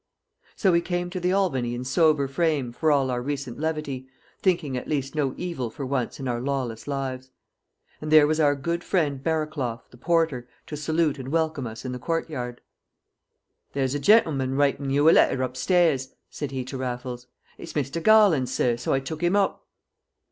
So we came to the Albany in sober frame, for all our recent levity, thinking at least no evil for once in our lawless lives. And there was our good friend Barraclough, the porter, to salute and welcome us in the courtyard. "There's a gen'leman writing you a letter upstairs," said he to Raffles. "It's Mr. Garland, sir, so I took him up."